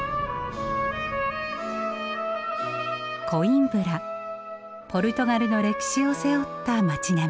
コインブラポルトガルの歴史を背負った町並みです。